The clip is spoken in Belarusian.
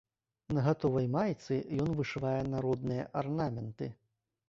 На гатовай майцы ён вышывае народныя арнаменты.